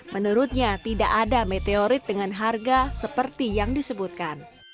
menurutnya tidak ada meteorit dengan harga seperti yang disebutkan